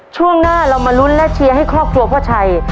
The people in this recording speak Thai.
ช่วงหน้าเรามาลุ้นและเชียร์ให้ครอบครัวพ่อชัย